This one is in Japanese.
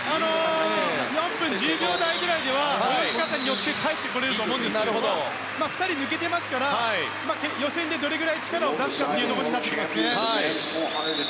４分１０秒台くらいでは泳ぎ方によって帰ってこられると思いますが２人、抜けていますから予選でどれだけ力を出すかということになりますね。